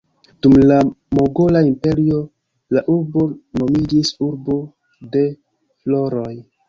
Dum la Mogola Imperio la urbo nomiĝis "Urbo de floroj".